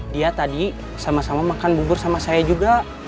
dia tadi sama sama makan bubur sama saya juga